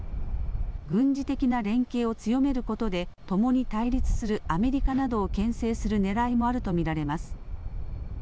軍事的な連携を強めることで、ともに対立するアメリカなどをけん制するねらいもあると見られます。